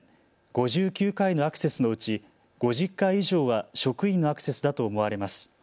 ５９回のアクセスのうち５０回以上は職員のアクセスだと思われます。